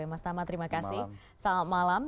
mas tama terima kasih selamat malam